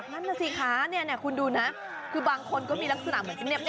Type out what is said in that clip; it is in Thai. นั่นแหละสิคะนี่คุณดูนะคือบางคนก็มีลักษณะเหมือนกันเนี่ย